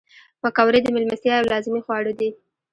پکورې د میلمستیا یو لازمي خواړه دي